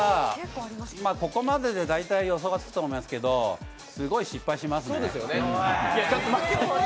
ここまでで予想がつくと思いますけどすごい失敗しますね。